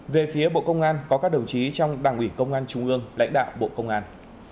về phía bộ công an có các đồng chí trong đảng ủy công an trung ương lãnh đạo bộ công an